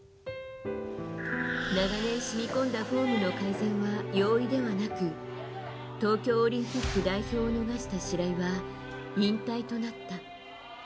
長年しみ込んだフォームの改善は容易ではなく東京オリンピック代表を逃した白井は引退となった。